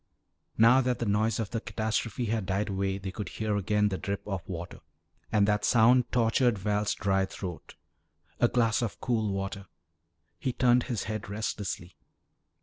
Now that the noise of the catastrophe had died away they could hear again the drip of water. And that sound tortured Val's dry throat. A glass of cool water He turned his head restlessly.